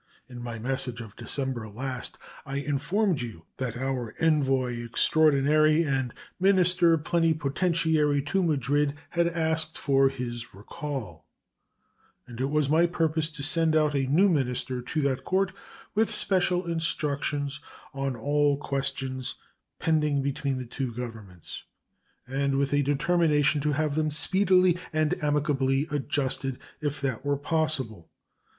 In my message of December last I informed you that our envoy extraordinary and minister plenipotentiary to Madrid had asked for his recall, and it was my purpose to send out a new minister to that Court with special instructions on all questions pending between the two Governments, and with a determination to have them speedily and amicably adjusted if that were possible.